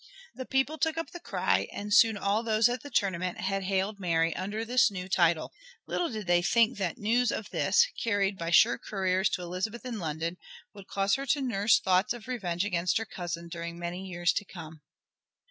The people took up the cry and soon all those at the tournament had hailed Mary under this new title. Little did they think that news of this, carried by sure couriers to Elizabeth in London, would cause her to nurse thoughts of revenge against her cousin during many years to come.